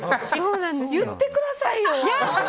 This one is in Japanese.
言ってくださいよ！